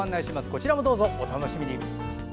こちらもどうぞお楽しみに！